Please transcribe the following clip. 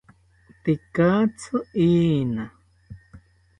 Tekatzi iina